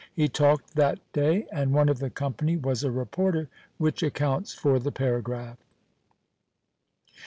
He talked that day, and one of the company was a reporter, which accounts for the paragraph.